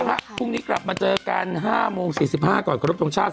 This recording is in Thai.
เอาล่ะค่ะพรุ่งนี้กลับมาเจอกัน๕โมง๔๕ก่อนกระทบตรงชาติ